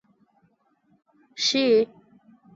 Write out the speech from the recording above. شې.